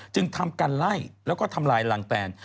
ทำกันไล่แล้วก็ทำลายรังแตน